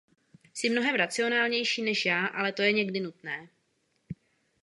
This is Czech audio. Jsi mnohem racionálnější než já, ale to je někdy nutné!